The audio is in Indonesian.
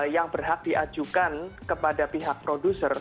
yang berhak diajukan kepada pihak produser